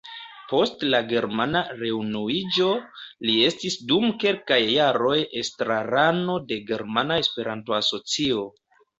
Post la germana reunuiĝo li estis dum kelkaj jaroj estrarano de Germana Esperanto-Asocio.